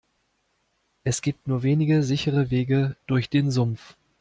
Es gibt nur wenige sichere Wege durch den Sumpf.